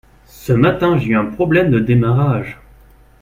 Ce matin, j’ai eu un problème de démarrage.